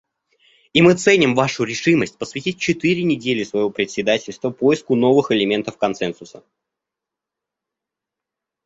И мы ценим вашу решимость посвятить четыре недели своего председательства поиску новых элементов консенсуса.